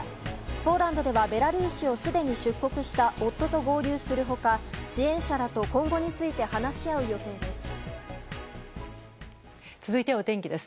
ポーランドではベラルーシをすでに出国した夫と合流する他支援者らと今後について話し合う予定です。